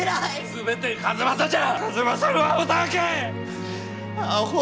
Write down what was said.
全て数正じゃ！